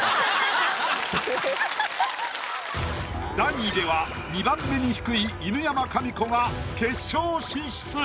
段位では２番目に低い犬山紙子が決勝進出。